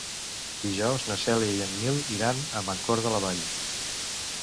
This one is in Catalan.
Dijous na Cèlia i en Nil iran a Mancor de la Vall.